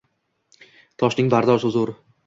Toshning bardoshi zo’r.